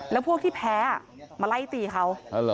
แล้วพวกที่แพ้มาไล่ตีเขา